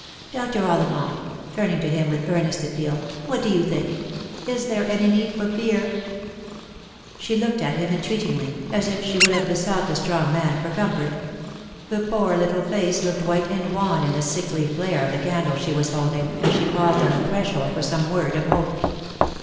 Dr. Ollivant," turning to him with earnest appeal, " what do you think P Is there any need for fear ?" She looked at him entreatingly, as if she would have besought the strong man for comfort. The poor little face looked white and wan in the sickly flare of the candle she was holding, as she paused on the threshold for some word of hope.